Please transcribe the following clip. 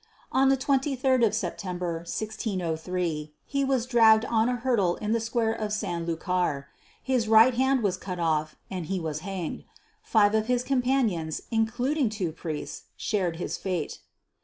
On 23rd of September, 1603, he was dragged on a hurdle to the Square of San Lucar; his right hand was cut off and he was hanged. Five of his companions, including two priests, shared his fate.